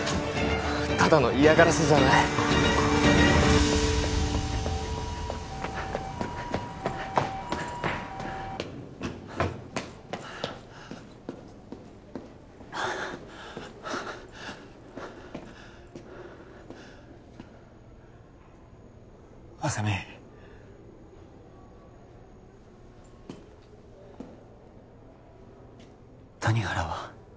ただの嫌がらせじゃない浅見谷原は？